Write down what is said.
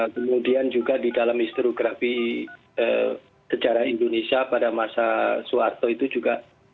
kemudian juga di dalam histrografi sejarah indonesia pada masa soeharto itu juga